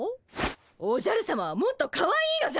おじゃるさまはもっとかわいいのじゃ！